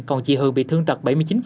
còn chị hường bị thương tật bảy mươi chín